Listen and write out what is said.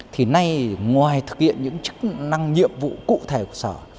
thì nay ngoài thực hiện những chức năng nhiệm vụ cụ thể của sở